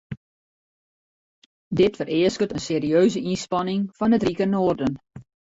Dit fereasket in serieuze ynspanning fan it rike noarden.